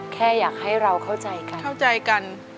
แค่อยากให้เราเข้าใจกัน